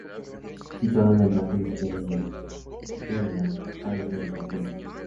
Situado en la margen izquierda del Pisuerga, al este de Castrillo.